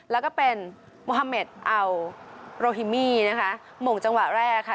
แล้วก็เป็นโมฮาเมดอัลโรฮิมี่นะคะหม่งจังหวะแรกค่ะ